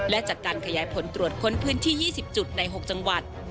และจากการขยายผลตรวจค้นพื้นที่๒๐จุดใน๖จังหวัด